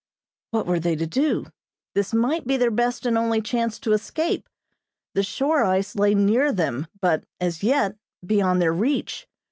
What were they to do? This might be their best and only chance to escape. The shore ice lay near them, but, as yet, beyond their reach.